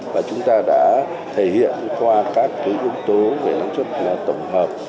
và chúng ta đã thể hiện qua các cái ứng tố về năng suất tổng hợp